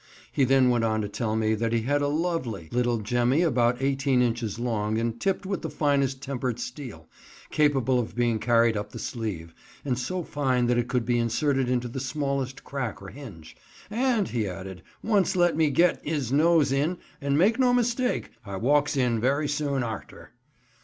He then went on to tell me that he had a lovely (!) little jemmy about eighteen inches long and tipped with the finest tempered steel, capable of being carried up the sleeve, and so fine that it could be inserted into the smallest crack or hinge; "And," he added, "once let me get 'is nose in, and make no mistake, I walks in very soon arter."